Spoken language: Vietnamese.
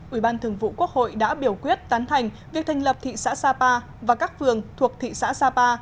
ủy ban thường vụ quốc hội đã biểu quyết tán thành việc thành lập thị xã sapa và các phường thuộc thị xã sapa